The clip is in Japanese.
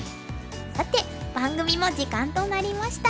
さて番組も時間となりました。